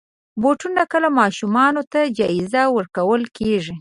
بوټونه کله ماشومانو ته جایزه ورکول کېږي.